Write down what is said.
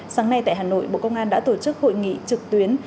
sáng nay tại hà nội bộ công an đã tổ chức hội nghị trực tuyến